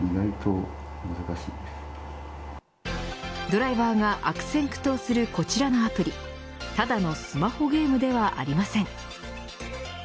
ドライバーが悪戦苦闘するこちらのアプリただのスマホゲームではありません。